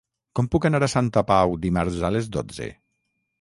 Com puc anar a Santa Pau dimarts a les dotze?